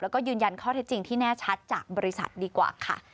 แล้วก็ยืนยันข้อเท็จจริงที่แน่ชัดจากบริษัทดีกว่าค่ะ